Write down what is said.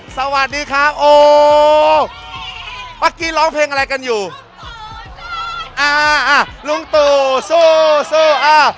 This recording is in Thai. สวัสดีครับพักกี้ร้องเพลงอะไรกันอยู่หรือสู้สู้อ่า